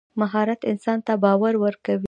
مهارت انسان ته باور ورکوي.